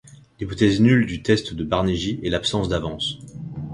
L'hypothèse nulle du test de Banerji est l'absence d'avance.